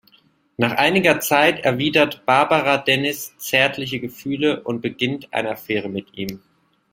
Nach einiger Zeit erwidert Barbara Dennis’ zärtliche Gefühle und beginnt eine Affäre mit ihm.